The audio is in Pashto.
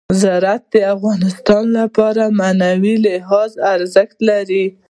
زراعت د افغانانو لپاره په معنوي لحاظ ارزښت لري.